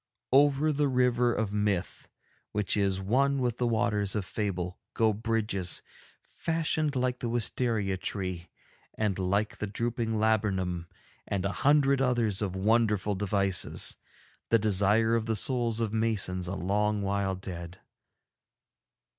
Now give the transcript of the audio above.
Over the River of Myth, which is one with the Waters of Fable, go bridges, fashioned like the wisteria tree and like the drooping laburnum, and a hundred others of wonderful devices, the desire of the souls of masons a long while dead.